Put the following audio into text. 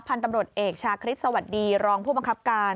พันธุ์ตำรวจเอกชาคริสสวัสดีรองผู้บังคับการ